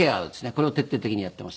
これを徹底的にやっています。